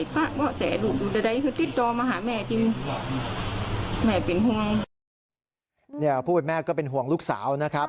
ผู้เป็นแม่ก็เป็นห่วงลูกสาวนะครับ